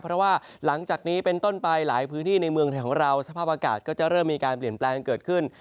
เพราะว่าหลังจากนี้เป็นต้นไปหลายพื้นที่ในเมืองไทยของเราสภาพอากาศก็จะเริ่มมีการเปลี่ยนแปลงเกิดขึ้น